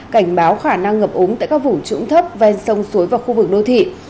cảnh báo khả năng ngập úng tại các vùng trũng thấp ven sông suối và khu vực đô thị